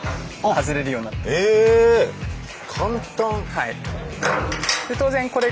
はい。